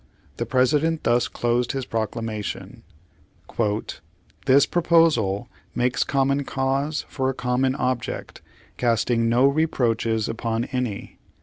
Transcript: The President thus closed his proclamation : "This proposal makes common cause for a common ob ject, casting no reproaches upon any.